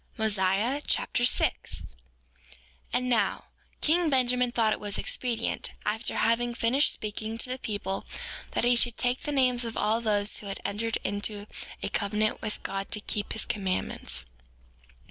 Mosiah Chapter 6 6:1 And now, king Benjamin thought it was expedient, after having finished speaking to the people, that he should take the names of all those who had entered into a covenant with God to keep his commandments.